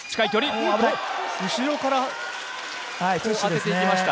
後ろから当てていきました。